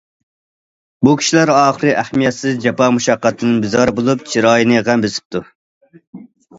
بۇ كىشىلەر ئاخىرى ئەھمىيەتسىز جاپا- مۇشەققەتتىن بىزار بولۇپ، چىرايىنى غەم بېسىپتۇ.